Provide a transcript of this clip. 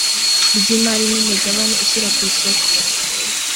ry imari n imigabane ishyira ku isoko